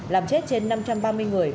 làm chết trên năm trăm ba mươi người